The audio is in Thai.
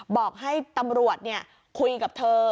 บอกให้ตำรวจคุยกับเธอ